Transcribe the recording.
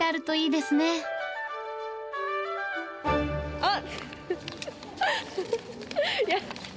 あっ！